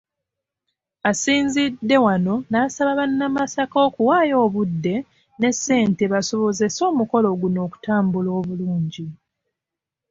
Asinzidde wano n’asaba bannamasaka okuwaayo obudde ne ssente basobozese omukolo guno okutambula obulungi.